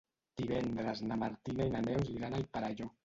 Divendres na Martina i na Neus iran al Perelló.